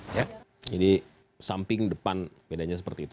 jadi samping depan bedanya seperti itu